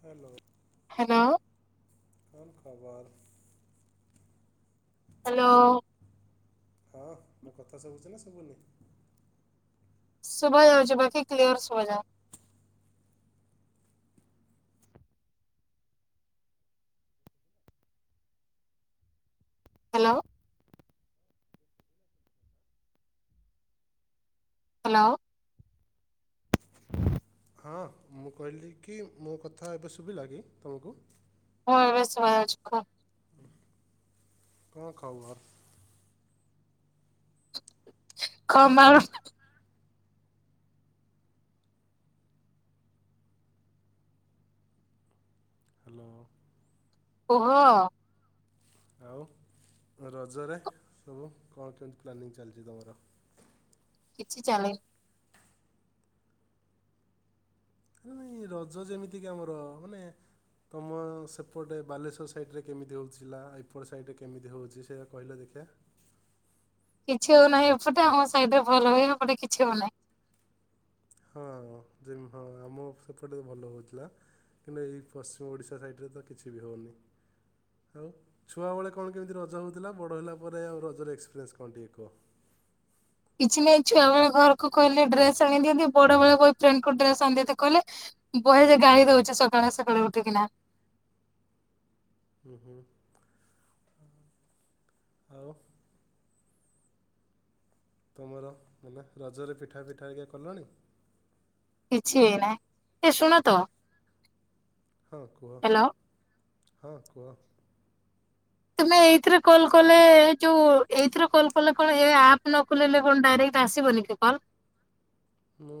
Hello. Hello. କନ୍ ଖବର? Hello. ହଁ ମୋ କଥା ଶୁବୁଛି ନା ସୁବୁନି? ସୁଭା ଯାଉଚି ବାକି କ୍ଲିୟର ସୁୁଭା ଯାଉ ହ୍ୟାଲୋ। ହ୍ୟାଲୋ। ହଁ ମୁଁ କହିଲି କି ମୋ କଥା ଏବେ ଶୁଭିଲା କି ତୁମକୁ? ହଁ ଏବେ ଶୁଭା ଯାଉଚି କୁହ। କଁ ଖବର? [unintelligible] ହ୍ୟାଲୋ। କୁହ। ଆଉ ରଜରେ ସବୁ କଣ କେମିତି ପ୍ଲାନିଂ ଚାଲିଛି ତମର? କିଛି ଚାଲିନି। ନାଇଁ ରଜ ଯେମିତି କି ଆମର ମାନେ ତମ ସେପଟେ ବାଲେଶ୍ୱର ସାଇଡ଼େ କେମିତି ହେଉଛିଥିଲା ଆଇପଟ୍ ସାଇଡ଼େ କେମିତି ହେଉଛି ସେଇ କହିଲ ଦେଖିଆ। କିଛି ହଉନାହିଁ ଏପଟେ ଆମ ସାଇଡ ରେ ଭଲ ହୁଏ ଏପଟେ କିଛି ହଉନାହିଁ। ହଁ ଯେ ହଁ ଆମ ସେପଟେ ଭଲ ହଉଥିଲା। କିନ୍ତୁ ଏଇ ପଶ୍ଚିମ ଓଡ଼ିଶା ସାଇଡ଼ରେ ତ କିଛି ବି ହଉନି। ଆଉ ଛୁଆବେଳେ କଣ କେମିତି ରଜ ହେଉଥିଲା ବଡ଼ ହେଲା ପରେ ଆଉ ରଜର ଏକ୍ସପିରିଏନ୍ସ କଣ ଟିକେ କହ। କିଛି ନାହିଁ ଛୁଆବେଳେ ଘରକୁ କହିଲେ ଡ୍ରେସ ଆଣି ଦିଅନ୍ତି ବଡ ବେଳେ ବୟ ଫ୍ରେଣ୍ଡକୁ ଡ୍ରେସ ଆଣିି ଦେନ୍ତେ କହିଲେ ବହେ ଯେ ଗାଳି ଦଉଛି ସକାଳେ ସକାଳେ ଉଠିକିନା। ହୁଁ ହୁଁ ଆଉ। ତମର ମାନେ ରଜରେ ପିଠା ଫିଠା ହରିକା କଲଣିହ କିଛି ହେଇନାହିଁ ଏ ଶୁଣ ତ। ହଁ କୁହ ହ୍ୟାଲୋ ହଁ କୁହ। ତମେ ଏଇଥିରେ କଲ୍ କଲେ ଯୋଉ ଏଇଥିରେ କଲ୍ କଲେ କଣ ଏ ଆପ୍ ନ କୋଲେଇଲେ କଣ ଡାଇରେକ୍ ଟ୍ ଆସିବନି କି କଲ୍। ମୁଁ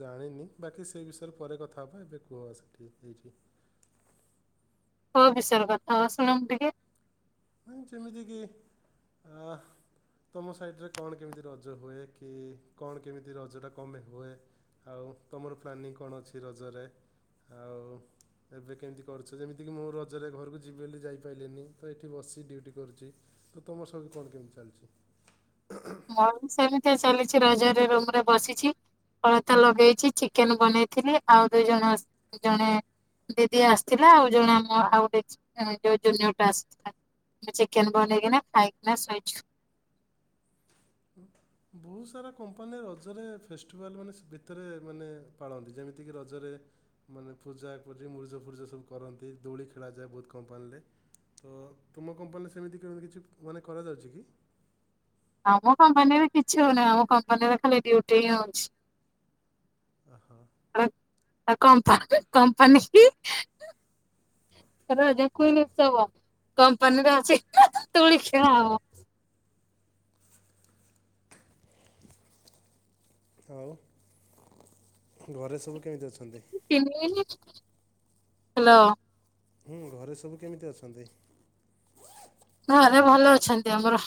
ଜାଣିନି ବାକି ସେ ବିଷୟରେ ପରେ କଥା ହେବା ଏବେ କୁହ ସେଠି ହେଇଚି। ହୋ ବିଷୟରେ କଥା ଶୁଣ ମୁୁ ଟିକେ। ହଁ ଯେମିତିକି ଆ ତମ ସାଇଟରେ କଣ କେମିତି ରଜ ହୁଏ କି କଣ କେମିତି ରଜଟା କମ୍ପାଇଁ ହୁଏ। ଆଉ ତମର ପ୍ଲାନିଂ କଣ ଅଛି ରଜରେ। ଆଉ ଏବେ କେମ୍ତି କରୁଛ ଯେମିତିକି ମୁଁ ରଜରେ ଘରକୁ ଯିବି ବୋଲି ଯାଇପାରିଲନି ତ ଏଠ୍ ଠି ବସି ଡ୍ୟୁଟି କରୁଚି ତ ତମର ସେମ୍ତି କଣ କେମିତି ଚାଲିଛି। ଆଉ ସେମିତିଆ ଚାଲିଛି ରଜରେ ରୁମ୍ ରେ ବସିଛି। ଅଳତା ଲଗେଇଚି ଚିକେନ୍ ବନେଇଥିଲି ଆଉ ଦୁଇ ଜଣ ଜଣେ ଦିଦି ଆସ୍ଥିଲା ଆଉ ଜଣେ ଆମ ଆଉ ଯୋ ଜୁନିୟର ଟା ଆସ୍ଥିଲା। ଚିକେନ୍ ବନେଇକିଣା ଖାଇକିନା ଶୋଇଛୁ। ବହୁତ ସାରା କମ୍ପାନୀ ରଜରେ ଫେଷ୍ଟିଭାଲ୍ ମାନେ ଭିତରେ ମାନେ ପାଳନ୍ତି ଯେମିତିକି ରଜରେ ମାନେ ପୂଜା ପୂଜୀ ମୁର୍ଜ ଫୁର୍ଜ ସବୁ କରନ୍ତି ଦୋଳି ଖେଳାଯାଏ ବହୁତ କମ୍ପାଲ୍ରେ। ତ ତୁମ କମ୍ପାନୀରେ ସେମିତି କେମିତି କିଛି ମାନେ କରାଯାଉଛି କି। ଆମ କମ୍ପାନୀରେ କିଛି ହଉନିଁ ଆମ କମ୍ପାନୀରେ ଖାଲି ଡ୍ୟୁଟି ହିଁ ହଉଛି। ଅହ। କମ୍ପା କମ୍ପାନୀ କୁ [unintelligible] କମ୍ପାନୀର ଅଛି ଦୋଳି ଖେଳା ହବ। ଆଉ। ଘରେ ସବୁ କେମ୍ତି ଅଛନ୍ତି। [unintelligible] ହାଲୋ। ହୁଁ ଘରେ ସବୁ କେମିତି ଅଛନ୍ତି। ଘରେ ଭଲ ଅଛନ୍ତି ଆମର।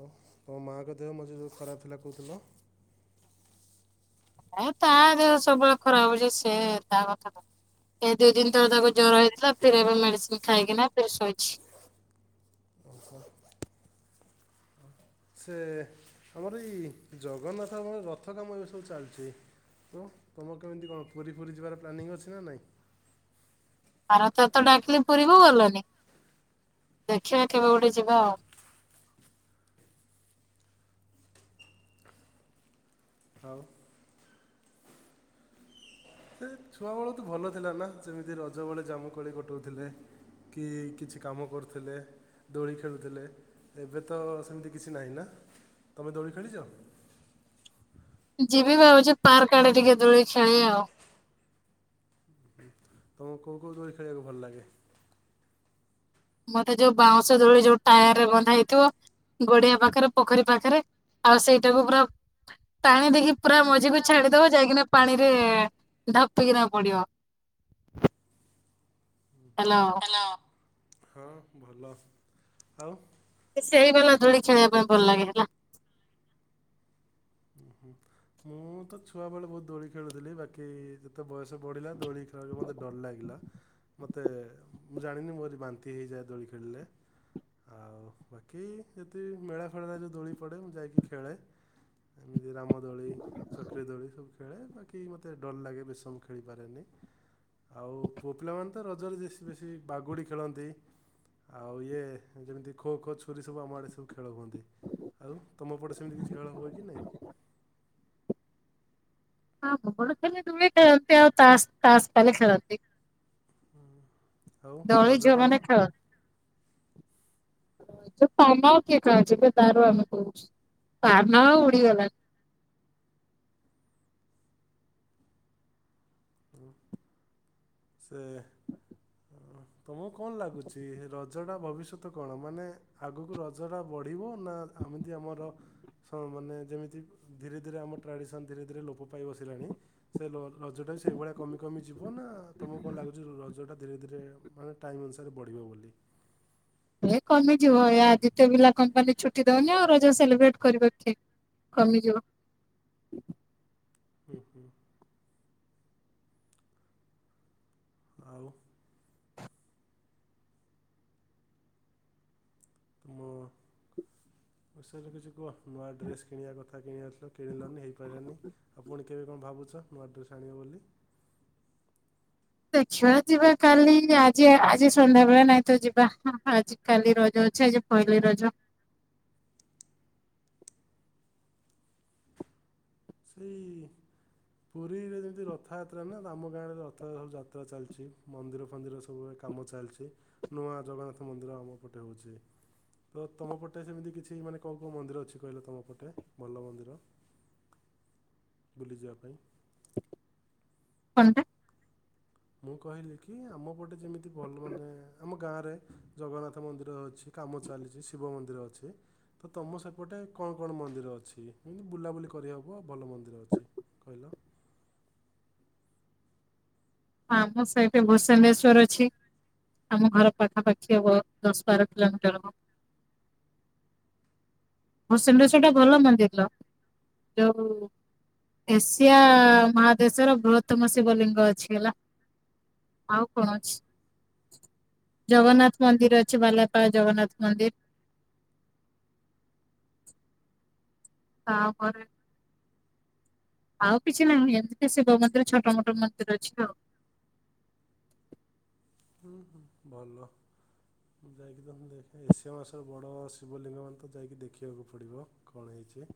ଓହ୍। ତୋ ମାଆଙ୍କ ଦେହ ମଝିରେ ଯୋଉ ଖରାପ୍ ଥିଲା କହୁଥିଲ। ହଁ ତା ଦେହ ସବୁବେଳେ ଖରାପା ହଉଛି ସେ ତା କଥା କୁ ଏ ଦିଇ ଦିନ ତଳେ ତାକୁ ଜର ହେଇଥିଲା ଫେର୍ ଏବେ ମେଡିସିନ ଖାଇକିନା ଫେର୍ ଶୋଇଛି। [inaudible] ସେ ଆମର ଏଇ ଜଗନ୍ନାଥ ଙ୍କର ରଥ କାମ ଏବେ ସବୁ ଚାଲ୍ଚି। ତ ତୁମର କେମ୍ତି କଣ ପୁରୀ ଫୁରୀ ଯିବାର ପ୍ଲାନିଂ ଅଛି ନା ନାଇଁ। ଆର ଥର ତ ଡାକିଲି ପୁରି କୁ ଗଲନି ଦେଖିବା କେବେ ଗୋଟେ ଯିବା ଆଉ। ଆଉ। ଛୁଆ ବେଳ ତ ଭଲ ଥିଲା ନା ଯେମିତି ରଜ ବେଳେ ଜାମୁକୋଳି ଗୋଟଉଥିଲେ। କି କିଛି କାମ କର୍ଥିଲେ। ଦୋଳି ଖେଳୁଥିଲେ ଏବେ ତ ସେମ୍ତି କିଛି ନାଇଁ ନା ତମେ ଦୋଳି ଖେଳିଚ। ଯିବି ଭାବଛି ପାର୍କ ଆଡେ ଟିକେ ଦୋଳି ଖେଳି ଆଉ। [inaudible] ତମକୁ କୋଉ କୋଉ ଦୋଳି ଖେଳିବାକୁ ଭଲ ଲାଗେ। ମତେ ଯୋଉ ବାଉଁଶ ଦୋଳି ଯୋଉ ଟାୟାର ରେ ବନ୍ଧା ହେଇଥିବ ଗଡିଆ ପାଖରେ ପୋଖରୀ ପାଖରେ ଆଉ ସେଇଟାକୁ ପୁରା ପାଣି ଦେକି ପୁରା ମଝିକୁ ଛାଡିଦବ ଯାଇକିନା ପାଣିରେ ଢାପିକିନା ପଡିବ। ହେଲା ଉଁ ହୁଁ ହଁ ଭଲ ଆଉ ସେଇ ବାଲା ଧୂଳି ଖେଣିବା ପାଇଁ ଭଲ ଲାଗେ ହେଲା। ଉ ହୁଁ ମୁଁ ତ ଛୁଆ ବେଳେ ବହୁତ ଦୋଳି ଖେଳୁଥିଲି ବାକି ଯେ ତେ ବୟସ ବଢ଼ିଲା ଦୋଳି ଖେଳିବାକୁ ମୋତେ ଡର ଲାଗିଲା। ମତେ ମୁଁ ଜାଣିନି ମୋରି ବାନ୍ତି ହେଇଯାଏ ଦୋଳି ଖେଳିଲେ। ଆଉ ବାକି ଯେତିି ମେଳା ଫେଳାରେ ଯୋଉ ଦୋଳି ପଡ଼େ ମୁଁ ଯାଇକି ଖେଳେ। ଏମିତି ରାମଦୋଳି ଚକିରି ଦୋଳି ସବୁ ଖେଳେ ବାକି ମୋତେ ଡର ଲାଗେ ବେଶୀ ସମୟ ଖେଳିପାରେନି। ଆଉ ପୁଅ ପିଲାମାନେ ତ ରଜରେ ଯେ ଶୀ ବେଶୀ ବାଗୁଡ଼ି ଖେଳନ୍ତି। ଆଉ ଇଏ ଯେମିତି ଖୋ ଖୋ ଛୁରୀ ସବୁ ଆମ ଆଡେ ସବୁ ଖେଳ ହୁଅନ୍ତି। ଆଉ ତୁମ ପଟେ ସେମିତି କିଛି ଖେଳ ହୁଏ କି ନାହିଁ। ହଁ ଆମ ପଟେ ଖାଲି ଦୋଳି ଖେଳନ୍ତି ଆଉ ତାସ ତାସ କଲି ଖେଳନ୍ତି। ହୁଁ ଆଉ ଦୋଳି ଝିଅ ମାନେ ରଜପାନ। ଖେଳନ୍ତି। ସେ ପାନ ଆଉ କିଏ ଖାଉଛି ଏବେ ତାର ଆମେ କହୁଛୁ ପାନ ଆଉ ଉଡିଗଲାଣି। ଉଁ ସେ ଅଁ। ତମକୁ କଣ ଲାଗୁଛି ରଜଟା ଭବିଷ୍ୟତ କଣ ମାନେ ଆଗକୁ ରଜଟା ବଢ଼ିବ ନା ଆମିତି ଆମର ସ ମାନେ ଯେମିତି ଧୀରେ ଧୀରେ ଆମ ଟ୍ରାଡ଼ିସନ୍ ଧୀରେ ଧୀରେ ଲୋପ ପାଇ ବସିଲାଣି। ସେ ଲୋ ରଜଟା ବି ସେ ସେଇଭଳିଆ କମି କମି ଯିବ ନା ତୁମକୁ କଣ ଲାଗୁଛି ରଜଟା ଧୀରେ ଧୀରେ ମାନେ ଟାଇମ୍ ଅନୁସାରେ ବଢ଼ିବ ବୋଲି। ଏ କମିଯିବ ୟା ଯେତେବି ଲା କମ୍ପାନୀ ଛୁଟି ଦଉନି ଆଉ ର ଜ ସେଲିବ୍ରେଟ କରିବ କିଏ କମିଯିବ। ହୁଁ ହୁଁ। ଆଉ। ତୁମ ବିଷୟରେ କିଛି କୁହ। ନୂଆ ଡ୍ରେସ୍ କିଣିବା କଥା କିଣିବାରଥିଲା କିଣିଲନି ହେଇପାଇଲାନି ଆଉ ଫୁଣି କେବେ କଣ ଭାବୁଛ ନୁଆଡ୍ରେସ୍ ଆଣିବ ବୋଲି। ଦେଖିବାଆ ଯିବା କାଲି ଆଜି ଆଜି ସନ୍ଧ୍ୟା ବେଳେ ନାଇଁ ତ ଯିବା ହଁ ଆଜି କାଲି ରଜ ଅଛେ ଆଜି ପହିଲି ରଜ। ସେଇ ପୁରୀରେ ଯେମିତି ରଥଯାତ୍ରା ନା ଆମ ଗାଁରେ ରଥ ସ ଯାତ୍ରା ଚାଲିଛି ମନ୍ଦିର ଫନ୍ଦିର ସବୁ ସବୁରେ କାମ ଚାଲିଛି ନୂଆ ଜଗନ୍ନାଥ ମନ୍ଦିର ଆମ ଏପଟେ ହଉଛି। ତ ତମ ପଟେ ସେମିତି କିଛି ମାନେ କୋଉ କୋଉ ମନ୍ଦିର ଅଛି କହିଲ ତମ ପଟେ ଭଲ ମନ୍ଦିର। ବୁଲିଯିବା ପାଇଁ। କଣ୍ଟା ମୁଁ କହିଲି କି ଆମ ପଟେ ଯେମିତି ଭଲ ମାନେ ଆମ ଗାଁରେ ଜଗନ୍ନାଥ ମନ୍ଦିର ଅଛି। କାମ ଚାଲିଛି ଶିବ ମନ୍ଦିର ଅଛି। ତ ତମ ସେପଟେ କଣ କଣ ମନ୍ଦିର ଅଛି ଏମିତି ବୁଲାବୁଲି କରିବାକୁ ଆଉ ଭଲ ମନ୍ଦିର ଅଛି। କହିଲ। ଆମ ସାଇଟ୍ ରେ ଭୂସଣ୍ଡେଶ୍ଵର ଅଛି। ଆମ ଘର ପାଖାପାଖି ହବ ଦଶ ବାର କିଲୋମିଟର ହବ। ଭୂସଣ୍ଡେଶ୍ୱର ଟା ଭଲ ମନ୍ଦିର ଯୋଉ ଏସିଆ ମହାଦେଶର ବୃହତ୍ତମ ଶିବଲିଙ୍ଗ ଅଛି ହେଲା। ଆଉ କଣ ଅଛି ଜଗନ୍ନାଥ ମନ୍ଦିର ଅଛି ବାଲାପାଳ ଜଗନ୍ନାଥ ମନ୍ଦିର। ତାପରେ ଆଉ କିଛି ନାହିଁ ଏମିତି [unintelligible] ଶିବ ମନ୍ଦିର ଛୋଟୋ ମୋଟୋ ମନ୍ଦିର ଅଛି ଆଉ। ହୁଁ ହୁଁ ଭଲ। ମୁଁ ଯାଇକି [unintelligible] ଦେଖେ ଏସିଆ ମହାଦେଶର ବଡ଼ ଶିବଲିଙ୍ଗ ମାନେ ତ ଯାଇକି ଦେଖିବାକୁ ପଡ଼ିବ କଣ ହେଇଛି।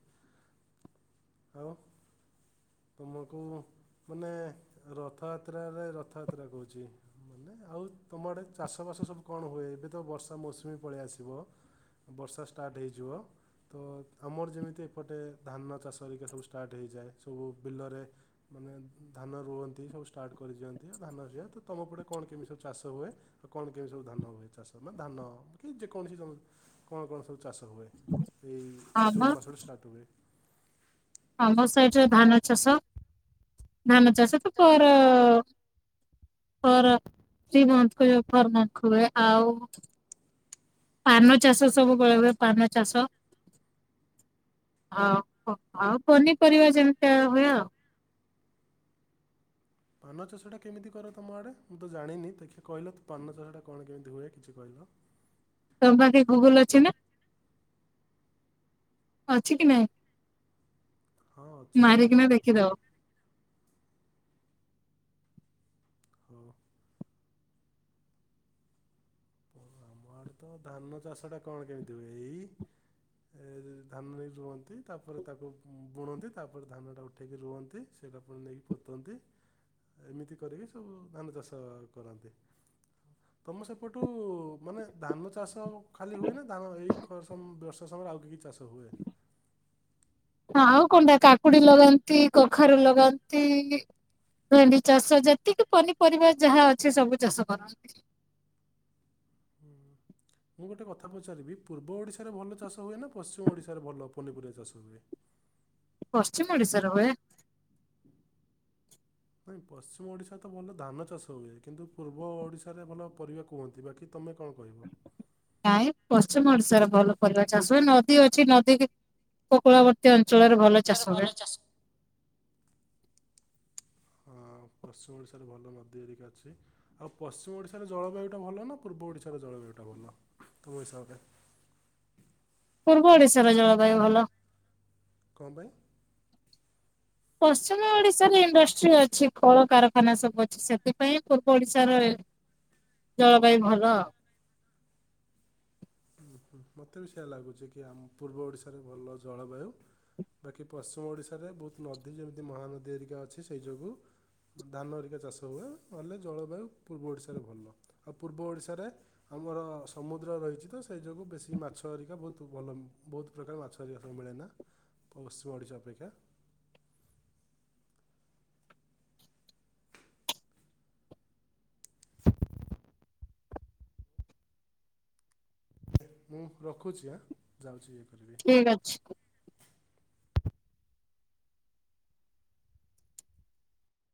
ଆଉ ତୁମକୁ ମାନେ ରଥଯାତ୍ରାରେ ରଥଯାତ୍ରା କୋହୁଛି। ମାନେ ଆଉ ତମ ଆଡ଼େ ଚାଷବାସ ସବୁ କଣ ହୁଏ ଏବେ ତ ବର୍ଷା ମୌସୁମୀ ପଳେଇଆସିବ। ବର୍ଷା ଷ୍ଟାର୍ଟ ହେଇଯିବ ତ ଆମର ଯେମିତି ଏପଟେ ଧାନ ଚାଷ ହେରିକା ସବୁ ଷ୍ଟାର୍ଟ ହେଇଯାଏ ସବୁ ବିଲରେ ମାନେ ଧାନ ରୁଅନ୍ତି ସବୁ ଷ୍ଟାର୍ଟ କରିଦିଅନ୍ତି ଆଉ ଧାନ [unintelligible] ତ ତମ ପଟେ କଣ କେମିତି ସବୁ ଚାଷ ହୁଏ। ଆଉ କଣ କେମିତି ସବୁ ଧାନ ହୁଏ ଚାଷ ମାନ ଧାନ କି ଯେକୌଣସି [unintelligible] କଣ କଣ ସବୁ ଚାଷ ହୁଏ ଏଇ ଆମ ଜୁନ୍ ମାସଠୁ ଷ୍ଟାର୍ଟ ହୁଏ। ଆମ ସାଇଡରେ ଧାନ ଚାଷ ଧାନ ଚାଷ ତ ପର [unintelligible] ହୁଏ ଆଉ ପାନ ଚାଷ ସବୁ କଳା ହୁଏ ପାନ ଚାଷ। [unintelligible] ଆଉ ପନିପରିବା ଯେମିତିଆ ହୁଏ ଆଉ। ପାନ ଚାଷଟା କେମିତି କର ତମ ଆଡ଼େ ମୁଁ ତ ଜାଣିନି ଦେଖିଆ କହିଲ ତୁ ପାନ ଚାଷଟା କଣ କେମିତି ହୁଏ କିଛି କହିଲ। ତମ ପାଖେ ଗୁଗୁଲୁ ଅଛି ନା। ଅଛି କି ନାଇଁ ହଁ ଅଛି ତେ ମାରିକିନା ଦେଖିଦବ। [unintelligible] [unintelligible] ଆମ ଆଡ଼େ ତ ଧାନ ଚାଷ ଟା କଣ କେମିତି ହୁଏ ଏଇ ଏ ରେ ରେ ଧାନ [unintelligible] ରୁଅନ୍ତି ତାପରେ ତାକୁ ବୁଣନ୍ତି ତାପରେ ଧାନଟା ଉଠେଇକି ରୁଅନ୍ତି। ସେଇଟା ପୁଣି ନେଇକି ପୋତୋନ୍ତି ଏମିତି କରିକି ସବୁ ଧାନ ଚାଷ କରାନ୍ତି। ତମ ସେପଟୁ ମାନେ ଧାନ ଚାଷ ଖାଲି ହୁଏ ନା ଧାନ ଏଇ [unintelligible] ସମୟରେ ଆଉ କି କି ଚାଷ ହୁଏ। ଆଉ କଣଟା କାକୁଡ଼ି ଲଗାନ୍ତି କଖାରୁ ଲଗାନ୍ତି। ଭେଣ୍ଡି ଚାଷ ଯେତିକି ପନିପରିବା ଯାହା ଅଛି ସବୁ ଚାଷ କରନ୍ତି। ମୁଁ ଗୋଟେ କଥା ପଚାରିବି ପୂର୍ବ ଓଡ଼ିଶାରେ ଭଲ ଚାଷ ହୁଏ ନା ପଶ୍ଚିମ ଓଡ଼ିଶାରେ ଭଲ ପନିପରିବା ଚାଷ ହୁଏ। ପଶ୍ଚିମ ଓଡ଼ିଶାର ହୋଏ। [inaudible] ନାଇଁ ପଶ୍ଚିମ ଓଡ଼ିଶାରେ ତ ଭଲ ଧାନ ଚାଷ ହୁଏ। କିନ୍ତୁ ପୂର୍ବ ଓଡ଼ିଶାରେ ଭଲ ପରିବା କୁହନ୍ତି ବାକି ତମେ କଣ କହିବ। [unintelligible] ପଶ୍ଚିମ ଓଡ଼ିଶାରେ ଭଲ ପରିବା ଚାଷ ହୁଏ ନଦୀ ଅଛି ନଦୀକି ଉପକୂଳବର୍ତ୍ତୀ ଅଞ୍ଚଳରେ ଭଲ [unintelligible] ହୁଏ ଭଲ ଚାଷ ହଁ ପଶ୍ଚିମ ଓଡ଼ିଶାରେ ଭଲ ନଦୀ ହେରିକା ଅଛି। ଆଉ ପଶ୍ଚିମ ଓଡ଼ିଶାର ଜଳବାୟୁଟା ଭଲ ନା ପୂର୍ବ ଓଡ଼ିଶାର ଜଳବାୟୁଟା ଭଲ ତୁମ ହସାବରେ? ପୂର୍ବ ଓଡିଶାର ଜଳବାୟୁ ଭଲ। କଁ ପାଇଁ? ପଶ୍ଚିମ ଓଡିଶାରେ ଇଣ୍ଡଷ୍ଟ୍ରି ଅଛି କଳକାରଖାନା ସବୁ ଅଛି ସେଥିପାଇଁ ପୂର୍ବ ଓଡିଶାର [inaudible] ଜଳବାୟୁ ଭଲ [unintelligible] ଉଁହୁଁ ମତେ ବି ସେଇୟା ଲାଗୁଛି କି ଆମ ପୂର୍ବ ଓଡ଼ିଶାରେ ଭଲ ଜଳବାୟୁ। ବାକି ପଶ୍ଚିମ ଓଡ଼ିଶାରେ ବହୁତ ନଦୀ ଯେମିତି ମହାନଦୀ ହେରିକା ଅଛି ସେଇ ଯୋଗୁଁ ଧାନ ହେରିକା ଚାଷ ହୁଏ ନହେଲେ ଜଳବାୟୁ ପୂର୍ବ ଓଡ଼ିଶାରେ ଭଲ ଆଉ ପୂର୍ବ ଓଡ଼ିଶାରେ ଆମର ସମୁଦ୍ର ରହିଚି ତ [unintelligible] ଯୋଗୁଁ ବେଶୀ ମାଛ ହେରିକା ବୋହୁତ ଭଲ ବୋହୁତ ପ୍ରକାର ମାଛ ହେରିକା ସବୁ ମିଳେନା। ପଶ୍ଚିମ ଓଡ଼ିଶା ଅପେକ୍ଷା। [inaudible] ମୁଁ ରଖୁଛି ଆଁ ଯାଉଛି ଇଏ କରିବି। ଠିକ୍ ଅଛି।